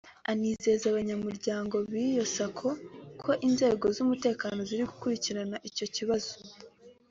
Anizeza abanyamuryango b’iyo Sacco ko inzego z’umutekano ziri gukurikirana icyo kibazo